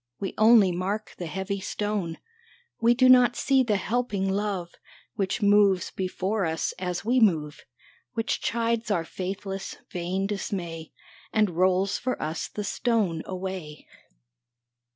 We only mark the heavy stone, We do not see the helping Love Which moves before us as we move, Which chides our faithless, vain dismay, And rolls for us the stone away